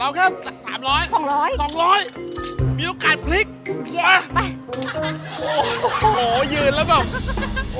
เราแค่สามร้อยสองร้อยมีโอกาสคลิกไปโอ้โฮยืนแล้วแบบ